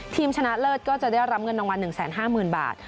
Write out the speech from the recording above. ชนะเลิศก็จะได้รับเงินรางวัล๑๕๐๐๐บาท